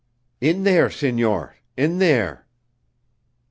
"In there, signor. In there."